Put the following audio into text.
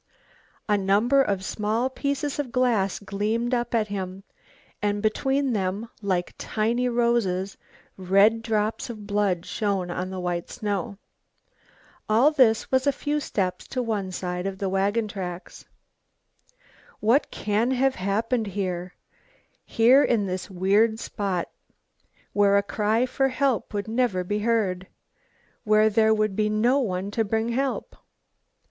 A number of small pieces of glass gleamed up at him and between them, like tiny roses, red drops of blood shone on the white snow. All this was a few steps to one side of the wagon tracks. "What can have happened here here in this weird spot, where a cry for help would never be heard? where there would be no one to bring help?"